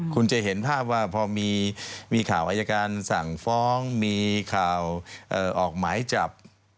คุณจะเห็นภาพว่าพอมีข่าวอายการสั่งฟ้องมีข่าวออกหมายจับ